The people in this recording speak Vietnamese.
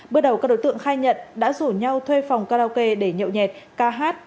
bước đầu các đối tượng khai nhận đã rủ nhau thuê phòng karaoke để nhậu nhẹt ca hát